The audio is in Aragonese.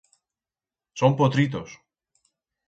Son potritos.